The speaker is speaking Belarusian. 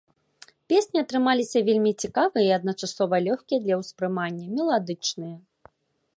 Песні атрымаліся вельмі цікавыя і адначасова лёгкія для ўспрымання, меладычныя.